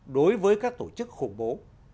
đối với các tổ chức khủng bố